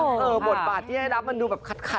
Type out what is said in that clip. โอ้ค่ะเออบทบาทที่ให้รับมันดูแบบขัดนิดนึงนะคะ